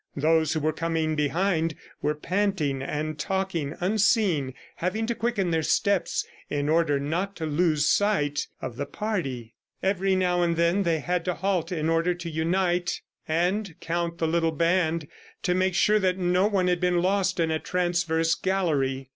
Those who were coming behind were panting and talking unseen, having to quicken their steps in order not to lose sight of the party. Every now and then they had to halt in order to unite and count the little band, to make sure that no one had been lost in a transverse gallery.